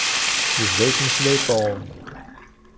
Yebda yettmeslay Tom.